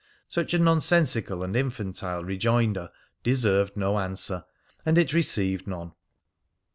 Such a nonsensical and infantile rejoinder deserved no answer, and it received none.